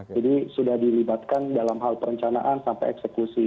jadi sudah dilibatkan dalam hal perencanaan sampai eksekusi